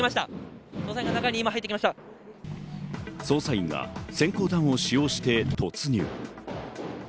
捜査員が閃光弾を使用して突入。